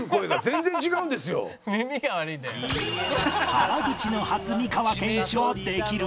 原口の初美川憲一はできる？